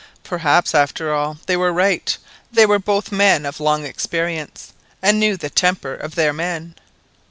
Perhaps, after all, they were right; they were both men of long experience, and knew the temper of their men.